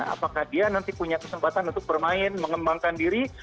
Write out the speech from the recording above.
apakah dia nanti punya kesempatan untuk bermain mengembangkan diri